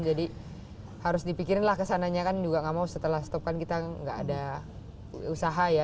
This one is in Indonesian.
jadi harus dipikirin lah kesananya kan juga nggak mau setelah stop kan kita nggak ada usaha ya